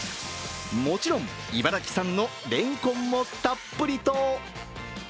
もちろん茨城産のレンコンもたっぷりと。